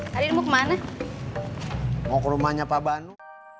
mau ke rumahnya pak banu